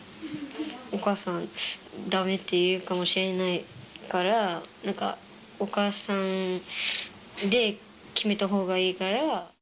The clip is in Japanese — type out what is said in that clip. お母さん、だめって言うかもしれないから、なんか、お母さんで決めたほうがいいから。